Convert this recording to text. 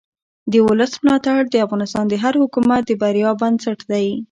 د ولس ملاتړ د افغانستان د هر حکومت د بریا بنسټ دی